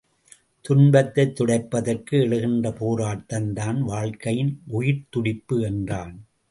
துன்பத்தைத் துடைப்பதற்கு எழுகின்ற போராட்டம் தான் வாழ்க்கையின் உயிர்த் துடிப்பு என்றான்.